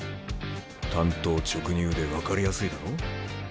単刀直入で分かりやすいだろう？